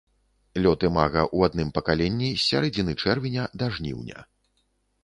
Лёт імага ў адным пакаленні з сярэдзіны чэрвеня да жніўня.